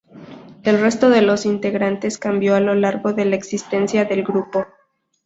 El resto de los integrantes cambió a lo largo de la existencia del grupo.